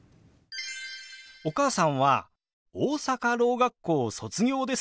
お母さんは大阪ろう学校卒業ですか？